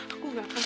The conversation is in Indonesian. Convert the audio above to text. aku gak akan